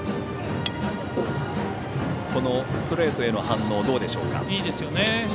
このストレートへの反応はどうでしょうか。